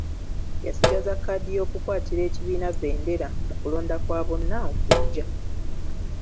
Yasigaza kkaadi y'okukwatira ekibiina bendera mu kulonda kwa bonna okujja.